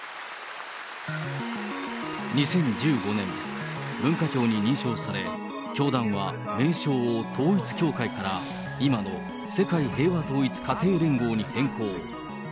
２０１５年、文化庁に認証され、教団は名称を統一教会から、今の世界平和統一家庭連合に変更。